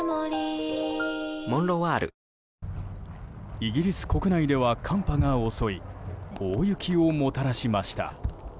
イギリス国内では寒波が襲い大雪をもたらしました。